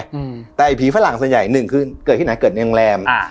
อืมแต่ไอ้ผีฝรั่งส่วนใหญ่หนึ่งคือเกิดที่ไหนเกิดในโรงแรมอ่า